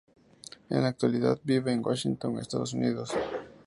En la actualidad vive en Washington, Estados Unidos.